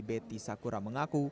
betty sakura mengaku